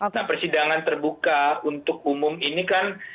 nah persidangan terbuka untuk umum ini kan